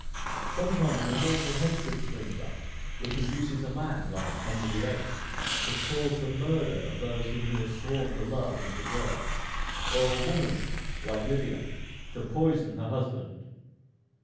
Sometimes a mortal hatred springs up, which induces a man, like Henry VIII., to cause the murder of those whom he has sworn to love and preserve; or a woman, like Livia, to poison her husband.